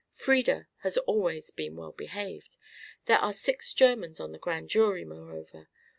Frieda has always been well behaved. There are six Germans on the Grand Jury, moreover.